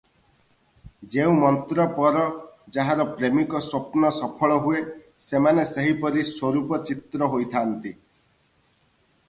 ଯେଉଁ ମନ୍ତ୍ରପର ଯାହାର ପ୍ରେମିକ ସ୍ୱପ୍ନ ସଫଳ ହୁଏ, ସେମାନେ ସେହିପରି ସ୍ୱରୂପ ଚିତ୍ର ହୋଇଥାନ୍ତି ।